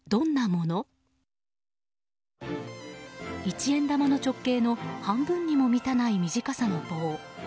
一円玉の直径の半分にも満たない短さの棒。